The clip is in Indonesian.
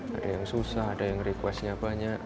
ada yang susah ada yang request nya banyak